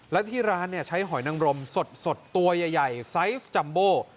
และที่ร้านใช้หอยนังรมสดตัวใหญ่ไซส์จัมโบ